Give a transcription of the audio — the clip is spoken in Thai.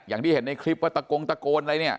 อย่างที่เห็นในคลิปว่าตะโกงตะโกนอะไรเนี่ย